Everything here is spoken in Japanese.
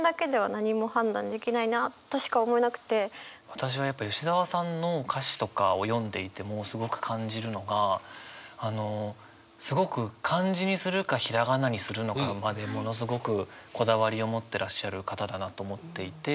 私はやっぱ吉澤さんの歌詞とかを読んでいてもすごく感じるのがあのすごく漢字にするかひらがなにするのかまでものすごくこだわりを持ってらっしゃる方だなと思っていて。